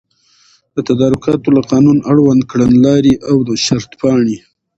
د تدارکاتو له قانون، اړوند کړنلاري او د شرطپاڼي